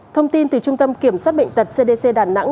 thông tin từ trung tâm kiểm soát bệnh tật cdc đà nẵng